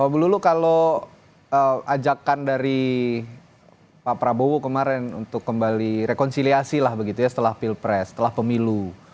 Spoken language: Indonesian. bu lulu kalau ajakan dari pak prabowo kemarin untuk kembali rekonsiliasi lah begitu ya setelah pilpres setelah pemilu